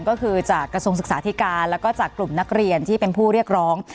ก็คือจากกระทรวงศึกษาธิการแล้วก็จากกลุ่มนักเรียนที่เป็นผู้เรียกร้อง